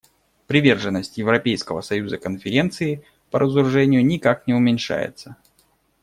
Приверженность Европейского союза Конференции по разоружению никак не уменьшается.